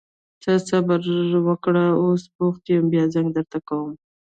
ته لږ صبر وکړه، اوس بوخت يم بيا زنګ درته کوم.